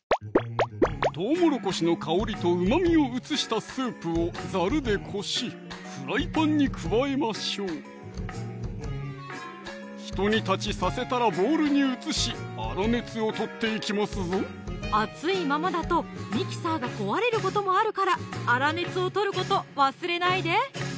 とうもろこしの香りとうまみを移したスープをざるでこしフライパンに加えましょう一煮立ちさせたらボウルに移し粗熱を取っていきますぞ熱いままだとミキサーが壊れることもあるから粗熱を取ること忘れないで！